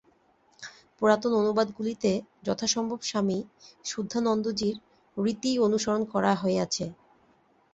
পুরাতন অনুবাদগুলিতে যথাসম্ভব স্বামী শুদ্ধানন্দজীর রীতিই অনুসরণ করা হইয়াছে।